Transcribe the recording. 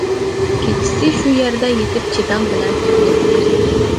كېچىسى شۇ يەردە يېتىپ چىدام بىلەن تۈننى ئۆتكۈزدى.